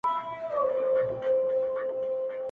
هسي نه چي زه در پسې ټولي توبې ماتي کړم،